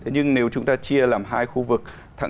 nhưng nếu chúng ta chia làm hai khu vực